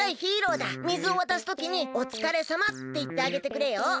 水を渡すときに「おつかれさま」っていってあげてくれよ。